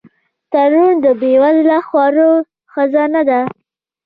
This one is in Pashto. تنور د بې وزله خوړو خزانه ده